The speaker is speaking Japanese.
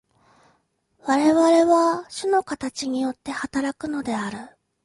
我々は種の形によって働くのである。